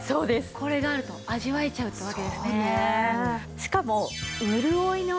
これがあると味わえちゃうってわけですね。